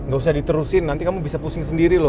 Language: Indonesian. gak usah diterusin nanti kamu bisa pusing sendiri loh